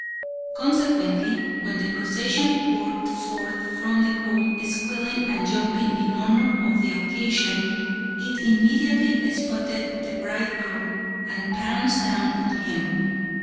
Consequently, when the procession poured forth from the hole squealing and jumping in honour of the occasion, it immediately spotted the bridegroom and pounced down on him.